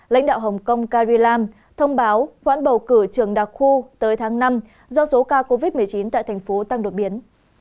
lãnh đạo hồng kông carrie lam thông báo khoản bầu cử trưởng đặc khu tới tháng năm do số ca covid một mươi chín tại thành phố tăng đột biến